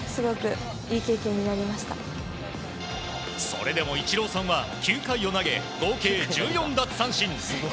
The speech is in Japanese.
それでもイチローさんは９回を投げ合計１４奪三振。